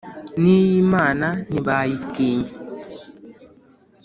niy’imana ntibayitinya